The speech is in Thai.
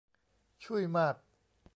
ชุ่ยมาก !